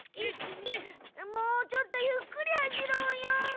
もうちょっとゆっくり走ろうよ。